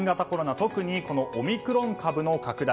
特にオミクロン株の拡大。